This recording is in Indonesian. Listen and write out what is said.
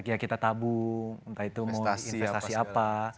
ya kita tabung entah itu mau investasi apa